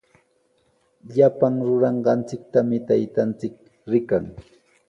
Llapan ruranqanchiktami taytanchik rikan.